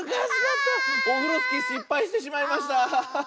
オフロスキーしっぱいしてしまいました！ハハハ。